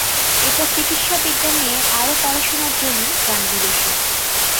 এরপর চিকিৎসা বিজ্ঞান নিয়ে আরও পড়াশোনার জন্য যান বিদেশে।